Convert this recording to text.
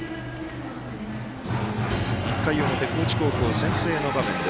１回の表、高知高校、先制の場面。